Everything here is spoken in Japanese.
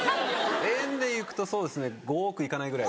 円でいくとそうですね５億いかないぐらい。